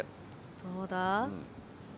どうだ？